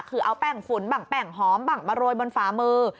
คือเอาแป้งฝุ่นบ้างแป้งหอมบ้างมาโรยบนฝามือ